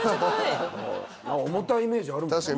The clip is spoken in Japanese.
重たいイメージあるもんな。